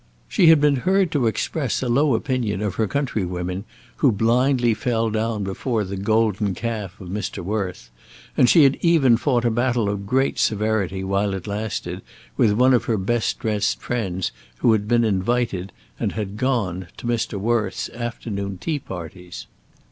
She had been heard to express a low opinion of her countrywomen who blindly fell down before the golden calf of Mr. Worth, and she had even fought a battle of great severity, while it lasted, with one of her best dressed friends who had been invited and had gone to Mr. Worth's afternoon tea parties.